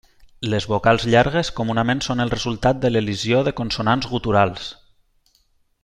Les vocals llargues comunament són el resultat de l'elisió de consonants guturals.